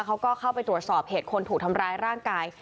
เขาก็เข้าไปตรวจสอบเหตุคนถูกทำร้ายร่างกาย